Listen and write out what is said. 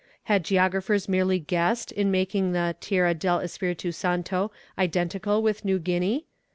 "Had geographers merely guessed in making the Tierra del Espiritu Santo identical with New Guinea?